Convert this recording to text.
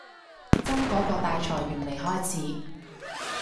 真嗰個大裁員未開始